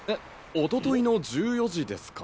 おとといの１４時ですか？